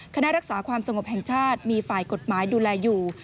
คณะรักษาความสงบแห่งชาติมีฝ่ายกฎหมายดูแลอยู่